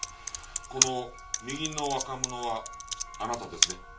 この右の若者はあなたですね？